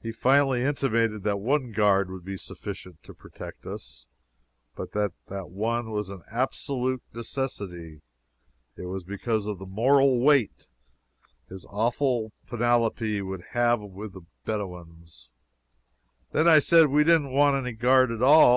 He finally intimated that one guard would be sufficient to protect us, but that that one was an absolute necessity. It was because of the moral weight his awful panoply would have with the Bedouins. Then I said we didn't want any guard at all.